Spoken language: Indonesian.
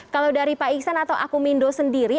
kalau dari pak iksan atau aku mindo sendiri